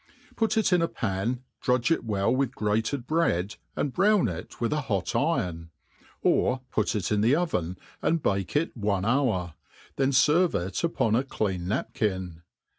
put it in a pan, drudge it well with grated bread, and brown it wjth a hot iron \ or put it in the oven, and hak<; k one hour : then fcrve it upon a clean napkin.